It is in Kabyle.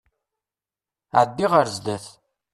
Ɛeddi ɣer zdat!